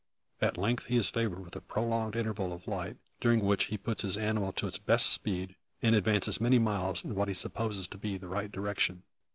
At length he is favoured with a prolonged interval of light, during which he puts his animal to its best speed, and advances many miles in what he supposes to be the right direction.